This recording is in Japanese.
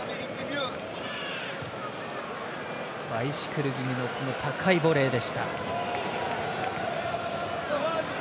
バイシクル気味の高いボレーでした。